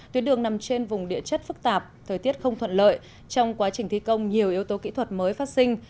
tuyến đường nằm trên vùng địa chất phức tạp thời tiết không thuận lợi trong quá trình thi công nhiều yếu tố kỹ thuật mới phát sinh